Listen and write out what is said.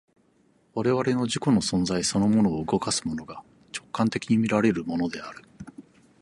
我々の自己の存在そのものを動かすものが、直観的に見られるものである。